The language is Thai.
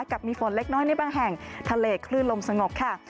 กับมีฝนเล็กน้อยในบางแห่งทะเลคลื่นลมสงบค่ะ